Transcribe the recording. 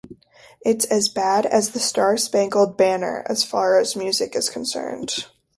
It's as bad as 'The Star Spangled Banner' as far as music is concerned.